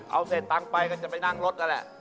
เอาเสร็จตังค์ไปก็จะไปนั่งรถนั่นแหละ